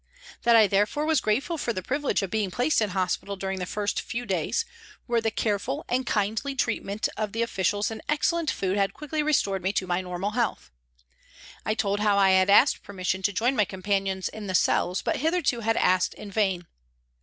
That I therefore was grateful for the privilege of being placed in hospital during the first few days, where the careful and kindly treatment of the officials and excellent food had quickly restored me to my normal health. I told how I had asked permission to join my companions in the cells, but hitherto had asked in vain.